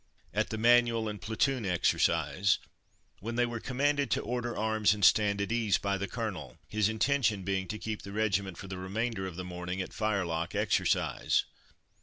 at the manual and platoon exercise, when they were commanded to "order arms" and "stand at ease" by the Colonel; his intention being to keep the regiment for the remainder of the morning at firelock exercise.